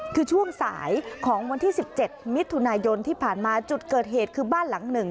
คือช่วงสายของวันที่๑๗มิถุนายนที่ผ่านมาจุดเกิดเหตุคือบ้านหลังหนึ่ง